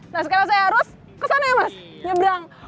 nah sekarang saya harus ke sana ya mas nyebrang